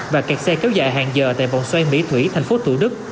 và kẹt xe kéo dài hàng giờ tại vòng xoay mỹ thủy thành phố thủ đức